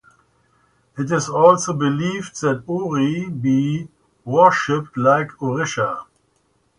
It is also believed that Ori be worshiped like Orisha.